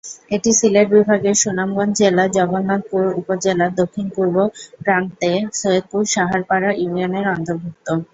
এটি সিলেট বিভাগের সুনামগঞ্জ জেলার জগন্নাথপুর উপজেলার দক্ষিণ-পূর্ব প্রান্তে সৈয়দপুর-শাহারপাড়া ইউনিয়নের অন্তর্ভুক্ত।